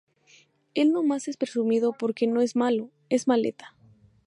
Él nomás es presumido porque no es malo, es maleta.